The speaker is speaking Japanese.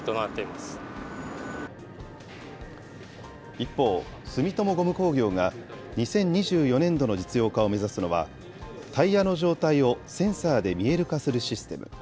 一方、住友ゴム工業が、２０２４年度の実用化を目指すのは、タイヤの状態をセンサーで見える化するシステム。